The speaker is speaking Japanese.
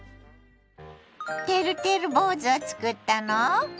てるてる坊主をつくったの？